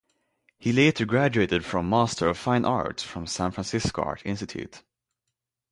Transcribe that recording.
He later graduated with Master of Fine Arts from San Francisco Art Institute.